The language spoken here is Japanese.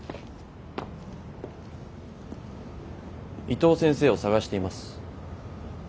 伊藤先生を捜しています。